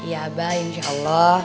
iya bah insya allah